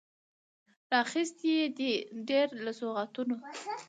راخیستي یې دي، ډیر له سوغاتونو